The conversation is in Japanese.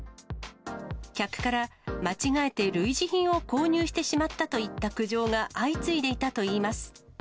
客から、間違えて類似品を購入してしまったといった苦情が相次いでいたといいます。